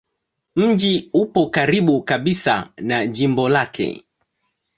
Mji upo karibu kabisa na jimbo lake.